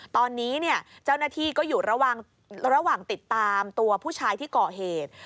ตอนนี้เจ้าหน้าที่ก็อยู่ระหว่างติดตามตัวผู้ชายที่ก่อเหตุ